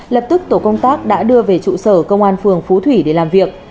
lập tức tổ công tác đã đưa về trụ sở công an phường phú thủy để làm việc